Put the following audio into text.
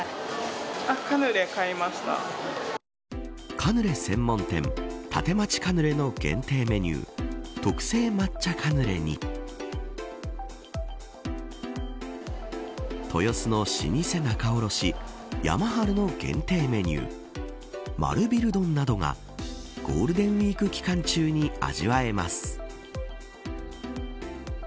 カヌレ専門店立町カヌレの限定メニュー特製抹茶カヌレに豊洲の老舗仲卸山治の限定メニュー丸ビル丼などがゴールデンウイーク期間中に味わえます。